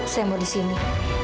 saya mau disini